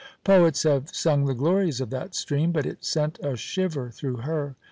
Poets have sung the glories of that stream, but it sent a shiver through her.